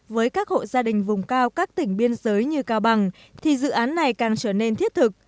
với các hộ gia đình vùng cao các tỉnh biên giới như cao bằng thì dự án này càng trở nên thiết thực